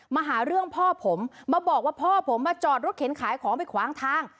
มาหาเรื่องพ่อผมมาบอกว่าพ่อผมมาจอดรถเข็นขายของไปขวางทาง